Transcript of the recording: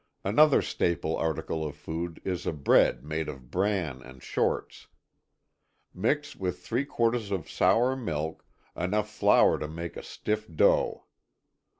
Another staple article of food is a bread made of bran and shorts. Mix with three quarts of sour milk, enough flour to make a stiff dough.